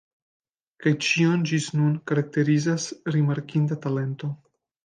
Kaj ĉion, ĝis nun, karakterizas rimarkinda talento.